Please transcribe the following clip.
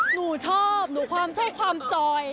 หนูชอบหนูความชอบความจอย